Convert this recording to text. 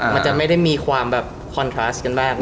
มันจะไม่ได้มีความคอนทราสต์กันบ้าง